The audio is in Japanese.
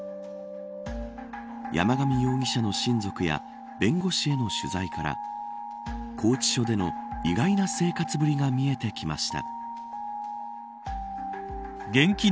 山上容疑者の親族や弁護士への取材から拘置所での意外な生活ぶりが見えてきました。